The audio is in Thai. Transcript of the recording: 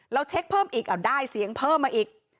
เช็คเพิ่มอีกเอาได้เสียงเพิ่มมาอีก